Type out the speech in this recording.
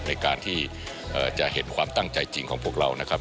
ในการที่จะเห็นความตั้งใจจริงของพวกเรานะครับ